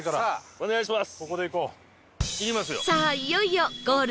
お願いします。